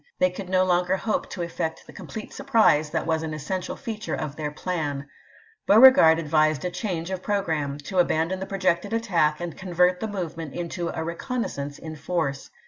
They could no longer hope to effect the complete surprise that was an essential feature of their plan. Beaui'egard advised a change of programme — to abandon the projected attack and convert the movement into a "reconnaissance in force."